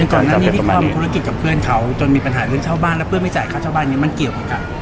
ก่อนหน้านี้ที่เขาทำธุรกิจกับเพื่อนเขาจนมีปัญหาเรื่องเช่าบ้านแล้วเพื่อนไม่จ่ายค่าเช่าบ้านนี้มันเกี่ยวกับ